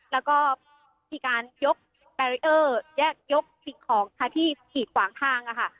แล้วก็ที่การยกแยกยกสิ่งของค่ะที่ขีดขวางทางอ่ะค่ะ